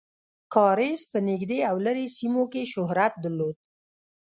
کاریز په نږدې او لرې سیمو کې شهرت درلود.